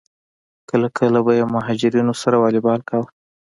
کله کله به یې مهاجرینو سره والیبال کاوه.